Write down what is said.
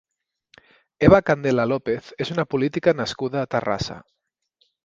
Eva Candela López és una política nascuda a Terrassa.